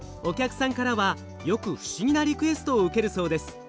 お客さんからはよく不思議なリクエストを受けるそうです。